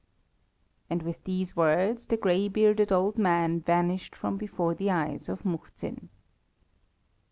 And with these words the grey bearded old man vanished from before the eyes of Muhzin.